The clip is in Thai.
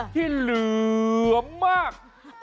ที่เหลือมมาก